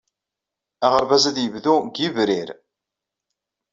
Aɣerbaz ad yebdu deg Yebrir.